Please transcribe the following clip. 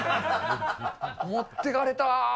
持ってかれたー！